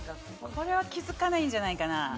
これは気付かないんじゃないかな？